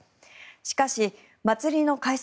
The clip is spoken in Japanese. しかし、祭りの開催